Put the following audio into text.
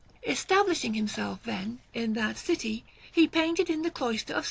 Establishing himself, then, in that city, he painted in the cloister of S.